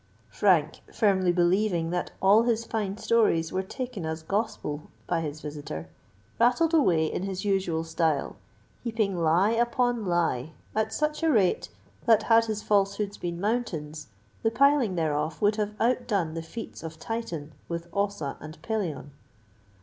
Frank, firmly believing that all his fine stories were taken as gospel by his visitor, rattled away in his usual style—heaping lie upon lie at such a rate, that, had his falsehoods been mountains, the piling thereof would have outdone the feats of Titan with Ossa and Pelion.